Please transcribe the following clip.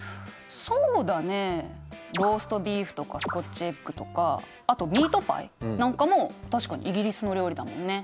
そうだねローストビーフとかスコッチエッグとかあとミートパイなんかも確かにイギリスの料理だもんね。